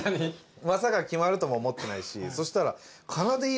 まさか決まるとも思ってないしそしたら。